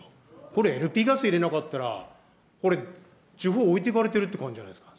これ、ＬＰガス入れなかったら、これ、地方、置いてかれてるって感じじゃないですか。